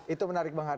itu menarik banget